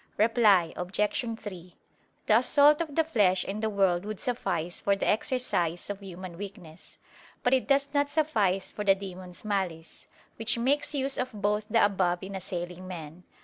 Reply Obj. 3: The assault of the flesh and the world would suffice for the exercise of human weakness: but it does not suffice for the demon's malice, which makes use of both the above in assailing men.